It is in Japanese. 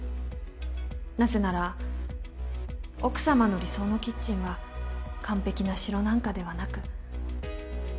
なぜなら奥様の理想のキッチンは完璧な城なんかではなく。